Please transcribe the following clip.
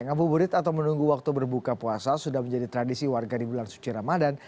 ngabuburit atau menunggu waktu berbuka puasa sudah menjadi tradisi warga di bulan suci ramadan